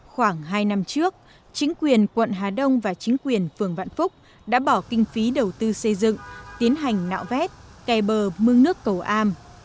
khoảng hai năm trước chính quyền quận hà đông và chính quyền phường vạn phúc đã bỏ kinh phí đầu tư xây dựng tiến hành nạo vét kè bờ mương nước cầu am